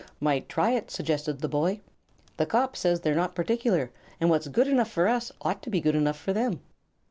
"Might try it," suggested the boy. "The cop says they're not particular, and what's good enough for us ought to be good enough for them."